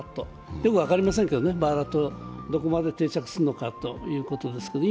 よく分かりませんけどね、バーラトがどこまで定着するのかということですけどね。